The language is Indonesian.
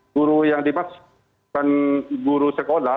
guru yang dimaksudkan guru sekolah